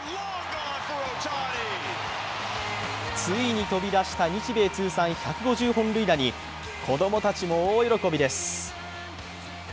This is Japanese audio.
ついに飛び出した、日米通算１５０本塁打に子供たちも大喜びです。